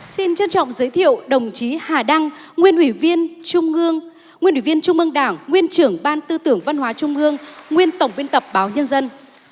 xin trân trọng giới thiệu đồng chí hà đăng nguyên ủy viên trung ương đảng nguyên trưởng ban tư tưởng văn hóa trung ương nguyên tổng biên tập báo nhân dân